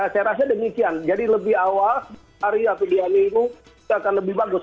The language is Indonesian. saya rasa demikian jadi lebih awal hari atau dua minggu itu akan lebih bagus